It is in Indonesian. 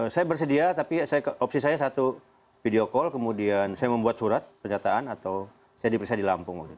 saya bersedia tapi opsi saya satu video call kemudian saya membuat surat pernyataan atau saya diperiksa di lampung